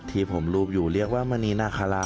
ที่ผมรูปอยู่เรียกว่ามณีนาคารา